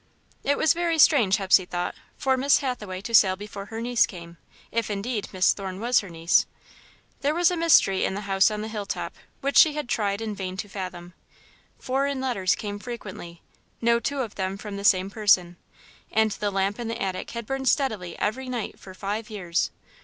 It was very strange, Hepsey thought, for Miss Hathaway to sail before her niece came, if, indeed, Miss Thorne was her niece. There was a mystery in the house on the hilltop, which she had tried in vain to fathom. Foreign letters came frequently, no two of them from the same person, and the lamp in the attic window had burned steadily every night for five years.